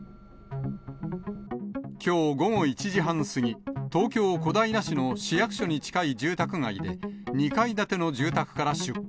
きょう午後１時半過ぎ、東京・小平市の市役所に近い住宅街で、２階建ての住宅から出火。